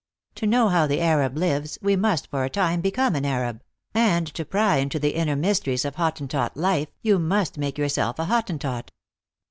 To know how the Arab lives, we must for a time become an Arab ; and to pry into the inner mysteries of Hotten tot life, you must make yourself a Hottentot."